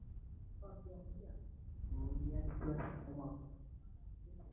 a fursa zaidi kwa sababu mtu umefadhiliwa ukifadhiliwa